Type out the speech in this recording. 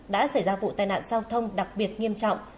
đã xảy ra vụ tai nạn giao thông đặc biệt nghiêm trọng